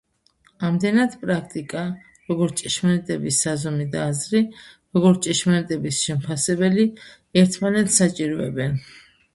ამდენად, პრაქტიკა, როგორც ჭეშმარიტების საზომი და აზრი, როგორც ჭეშმარიტების შემფასებელი, ერთმანეთს საჭიროებენ.